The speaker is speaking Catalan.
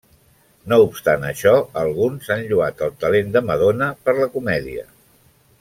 No obstant això, alguns han lloat el talent de Madonna per la comèdia.